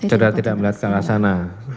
saudara tidak melihat ke arah sana